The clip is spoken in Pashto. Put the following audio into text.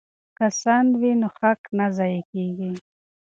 که سند وي نو حق نه ضایع کیږي.